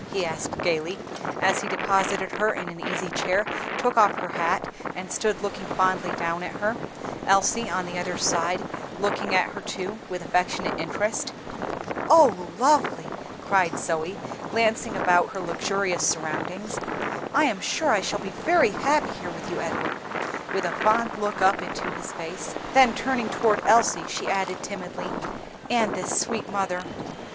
he asked gayly, as he deposited her in an easy chair, took off her hat, and stood looking fondly down at her, Elsie on the other side, looking at her too with affectionate interest. "Oh, lovely!" cried Zoe, glancing about upon her luxurious surroundings. "I am sure I shall be very happy here with you, Edward," with a fond look up into his face; then turning toward Elsie, she added timidly, "and this sweet mother."